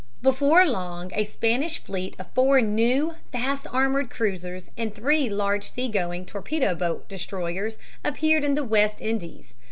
Before long a Spanish fleet of four new, fast armored cruisers and three large sea going torpedo boat destroyers appeared in the West Indies.